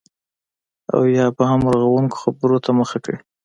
او یا به هم رغونکو خبرو ته مخه کړي